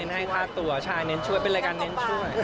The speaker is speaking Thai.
ไม่เน้นให้ภาพตัวใช่เป็นรายการเน้นช่วย